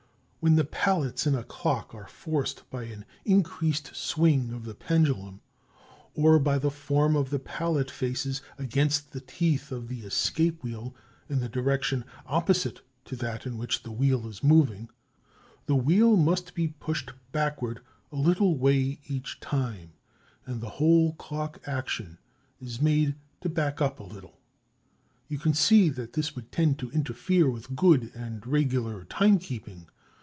When the pallets in a clock are forced by an increased swing of the pendulum or by the form of the pallet faces against the teeth of the escape wheel in the direction opposite to that in which the wheel is moving, the wheel must be pushed backward a little way each time, and the whole clock action is made to back up a little. You can see that this would tend to interfere with good and regular timekeeping.